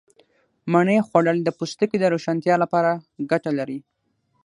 مڼې خوړل د پوستکي د روښانتیا لپاره گټه لري.